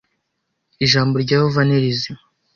Ijambo rya Yehova ni rizima